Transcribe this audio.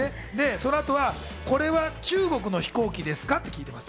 そのあと、これは中国の飛行機ですか？って聞いてます。